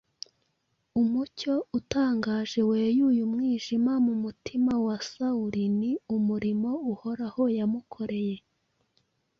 Umucyo utangaje weyuye umwijima mu mutima wa Sawuli, ni umurimo Uhoraho yamukoreye.